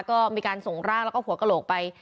ก็มีการส่งร่างแล้วก็หัวกระโหลกไป